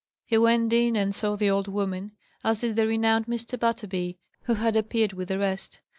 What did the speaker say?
He went in and saw the old woman; as did the renowned Mr. Butterby, who had appeared with the rest.